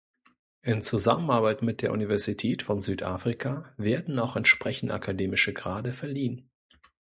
In Zusammenarbeit mit der Universität von Südafrika werden auch entsprechende akademische Grade verliehen.